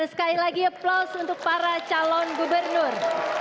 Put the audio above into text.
sekali lagi aplaus untuk para calon gubernur